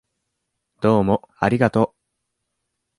どうもありがとう。